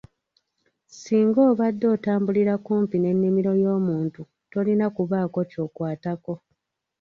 Singa obadde otambula kumpi n'ennimiro y'omuntu tolina kubaawo ky'okwatako.